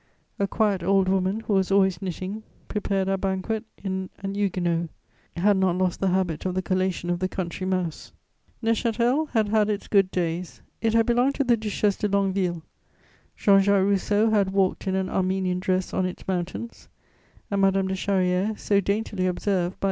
A quiet old woman, who was always knitting, prepared our banquet in an huguenote. had not lost the habit of the collation of the country mouse. Neuchâtel had had its good days; it had belonged to the Duchesse de Longueville; Jean Jacques Rousseau had walked in an Armenian dress on its mountains, and Madame de Charrière, so daintily observed by M.